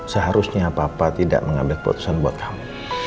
seharusnya papa tidak mengambil putusan buat kamu